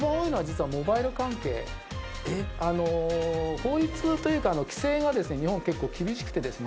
法律というか規制が日本は結構、厳しくてですね